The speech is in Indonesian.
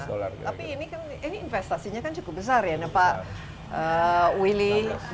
tapi ini kan investasinya kan cukup besar ya pak willy